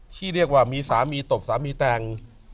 ที่เรียกว่ามีสามีตบสามีแต่ง